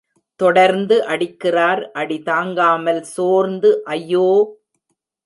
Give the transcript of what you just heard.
தொடர்ந்து அடிக்கிறார் அடி தாங்காமல் சோர்ந்து, ஐயோ!